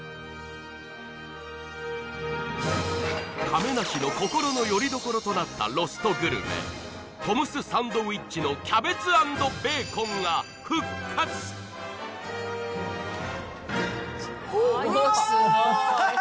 亀梨の心のよりどころとなったロストグルメトムスサンドウィッチのキャベツ＆ベーコンが復活うわい！